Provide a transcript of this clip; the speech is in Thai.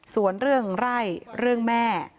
ส่วนเรื่องไร่เรื่องแม่